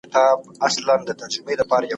زه به سبا د ښوونځی لپاره تياری کوم؟